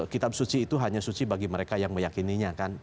kitab suci itu hanya suci bagi mereka yang meyakininya kan